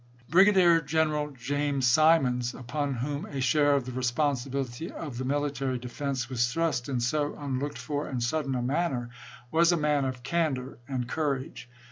Brigadier General James Simons, upon whom a share of the responsibility of the military defense was thrust in so unlooked for and sudden a man ner, was a man of candor and courage.